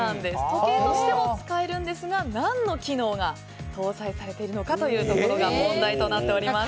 時計としても使えるんですが何の機能が搭載されているのかが問題となっています。